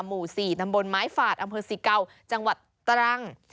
หมู่๔ตำบลไม้ฝาดอำเภอสิเกาจังหวัดตรัง